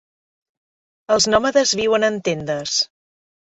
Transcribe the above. Els nòmades viuen en tendes.